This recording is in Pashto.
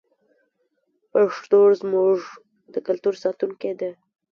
پښتو زموږ د کلتور ساتونکې ده.